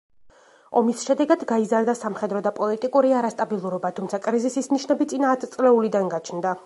ომის შედეგად გაიზარდა სამხედრო და პოლიტიკური არასტაბილურობა, თუმცა კრიზისის ნიშნები წინა ათწლეულიდან გაჩნდა.